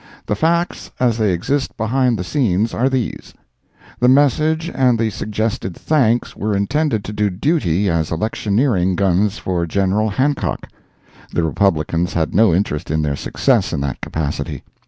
The facts, as they exist behind the scenes are these: The message and the suggested thanks were intended to do duty as electioneering guns for Gen. Hancock. The Republicans had no interest in their success in that capacity.